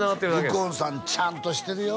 右近さんちゃんとしてるよ